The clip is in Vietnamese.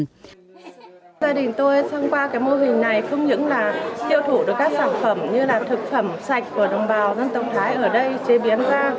thực phẩm sạch của đồng bào dân tộc thái ở đây chế biến ra